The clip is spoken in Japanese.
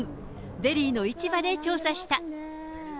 デリーの市場で調査した。